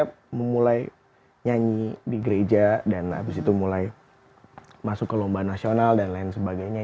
saya memulai nyanyi di gereja dan abis itu mulai masuk ke lomba nasional dan lain sebagainya